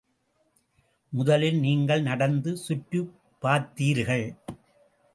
முதலில் நீங்கள் நடந்து சுற்றிப் பார்த்தீர்கள்.